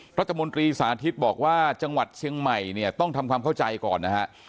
รัฐมนตรีสาธิตบอกว่าจังหวัดเชียงใหม่เนี่ยต้องทำความเข้าใจก่อนนะฮะ